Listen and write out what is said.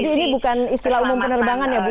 jadi ini bukan istilah umum penerbangan ya bu